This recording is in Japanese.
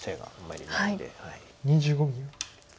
２５秒。